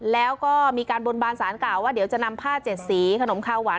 แล้วก็มีการบนบานสารกล่าวว่าเดี๋ยวจะนำผ้าเจ็ดสีขนมคาวหวาน